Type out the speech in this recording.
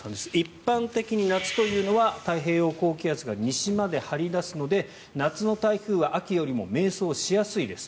一般的に夏というのは太平洋高気圧が西まで張り出すので夏の台風は秋よりも迷走しやすいです